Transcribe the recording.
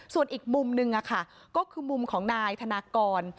ส่วนอีกมุมหนึ่งก็คือมุมของนายธนากร